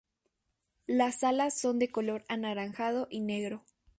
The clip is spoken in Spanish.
Las alas son de color anaranjado y negro.